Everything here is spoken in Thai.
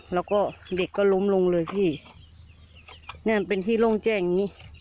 แล้วก็เด็กก็ล้มลงเลยพี่นั่นเป็นที่โล่งแจ้งอย่างงี้